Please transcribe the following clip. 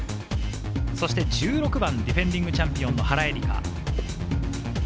１６番、ディフェンディングチャンピオンの原英莉花。